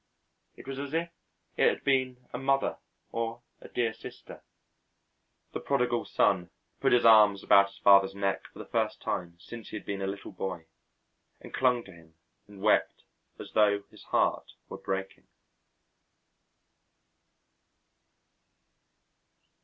It was as if it had been a mother or a dear sister. The prodigal son put his arms about his father's neck for the first time since he had been a little boy, and clung to him and wept as though his heart were breaking.